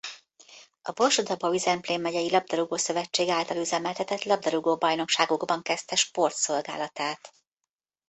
A Borsod-Abaúj-Zemplén megyei Labdarúgó-szövetség által üzemeltetett labdarúgó-bajnokságokban kezdte sportszolgálatát.